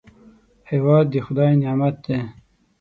هېواد د خدای نعمت دی